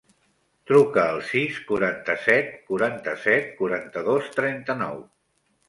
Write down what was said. Truca al sis, quaranta-set, quaranta-set, quaranta-dos, trenta-nou.